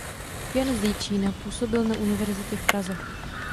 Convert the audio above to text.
Jan z Jičína působil na univerzitě v Praze.